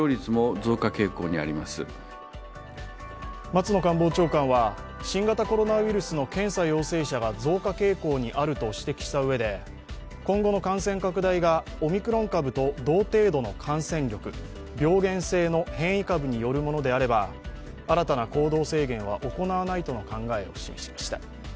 松野官房長官は新型コロナウイルスの検査陽性者が増加傾向にあると指摘したうえで、今後の感染拡大がオミクロン株と同程度の感染力、病原性の変異株によるものであれば新たな行動制限は行わないとの考えを示しました。